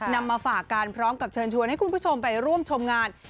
นำมาฝากกันพร้อมกับเชิญชวนให้คุณผู้ชมไปร่วมชมงาน